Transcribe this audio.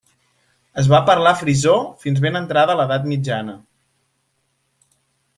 Es va parlar frisó fins ben entrada l'edat mitjana.